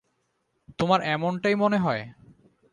তোমার এমনটাই মনে হয়?